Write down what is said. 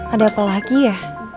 ada apa lagi ya